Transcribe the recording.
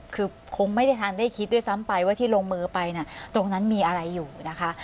คือคงไม่ได้ทันได้คิดด้วยซ้ำไปว่าที่ลงมือไปเนี่ยตรงนั้นมีอะไรอยู่นะคะ